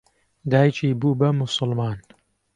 دایکی بوو بە موسڵمان.